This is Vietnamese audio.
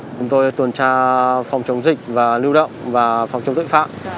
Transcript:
chúng tôi tuần tra phòng chống dịch và lưu động và phòng chống tội phạm